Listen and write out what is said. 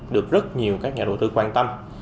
được rất nhiều các nhà đầu tư quan tâm